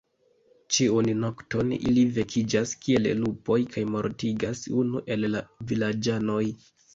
Ĉiun nokton ili vekiĝas kiel lupoj kaj mortigas unu el la vilaĝanoj.